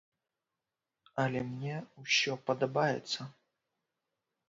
Але мне ўсё падабаецца.